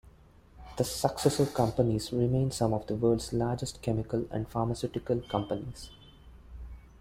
The successor companies remain some of the world's largest chemical and pharmaceutical companies.